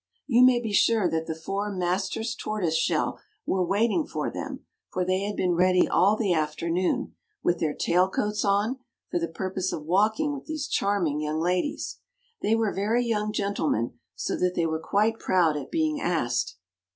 You may be sure that the four Masters Tortoise Shell were waiting for them, for they had been ready all the afternoon, with their tail coats on, for the purpose of walking with these charming young ladies. They were very young gentlemen, so that they were quite proud at being asked.